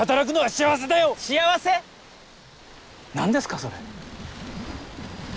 何ですかそれ。